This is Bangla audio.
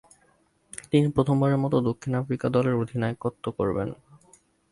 তিনি প্রথমবারের মতো দক্ষিণ আফ্রিকা দলের অধিনায়কত্ব করেন।